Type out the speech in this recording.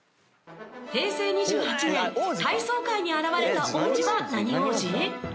平成２８年体操界に現れた王子は何王子？